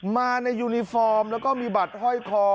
มาในยูนิฟอร์มแล้วก็มีบัตรห้อยคอ